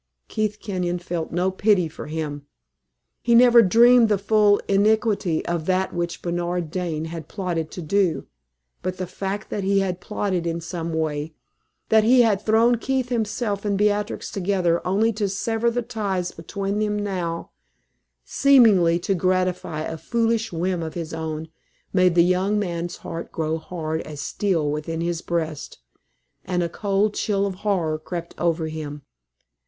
Keith Kenyon felt no pity for him. He never dreamed the full iniquity of that which Bernard Dane had plotted to do; but the fact that he had plotted in some way that he had thrown Keith himself and Beatrix together only to sever the ties between them now, seemingly to gratify a foolish whim of his own, made the young man's heart grow hard as steel within his breast, and a cold chill of horror crept over him.